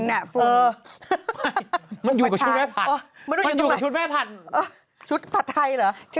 ฝึ่นเนี่ยฝึ่นมันอยู่กับชุดแม่ผัดมันอยู่กับชุดแม่ผัดชุดพัดไทยเหรอ